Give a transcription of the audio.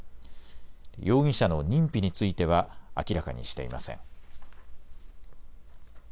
容疑者の認否については明らかにしていません。